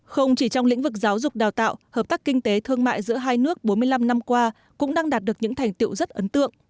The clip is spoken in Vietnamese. không chỉ trong lĩnh vực giáo dục đào tạo hợp tác kinh tế thương mại giữa hai nước bốn mươi năm năm qua cũng đang đạt được những thành tiệu rất ấn tượng